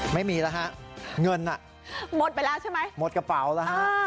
ไม่มีแล้วฮะเงินน่ะหมดไปแล้วใช่ไหมหมดกระเป๋าแล้วฮะ